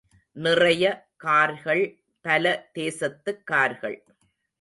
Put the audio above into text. நிறைய கார்கள் பல தேசத்துக் கார்கள்.